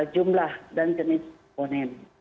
jumlah dan jenis ponen